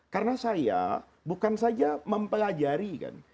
karena saya bukan saja mempelajari kan